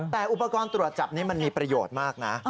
แต่อุปกรณ์ตรวจจับนี้มันมีประโยชน์มากนะ